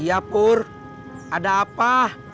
iyapur ada apa